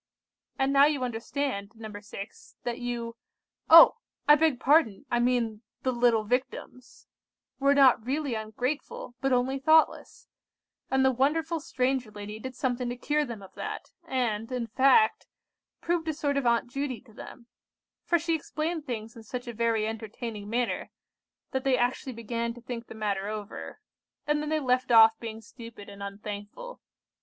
"And now you understand, No. 6, that you—oh! I beg pardon, I mean the little Victims—were not really ungrateful, but only thoughtless; and the wonderful stranger lady did something to cure them of that, and, in fact, proved a sort of Aunt Judy to them; for she explained things in such a very entertaining manner, that they actually began to think the matter over; and then they left off being stupid and unthankful.